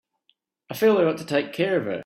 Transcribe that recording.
I feel I ought to take care of her.